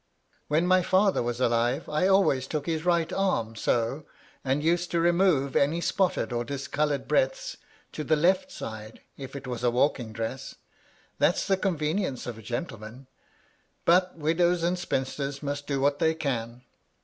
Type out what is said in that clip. " When my father was alive, I always took his right arm, so, and used to remove any spotted or discoloured breadths to the left side, if it was a walking dress. That's the convenience of a gentleman. But widows and spinsters must do what they can.